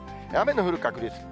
雨の降る確率。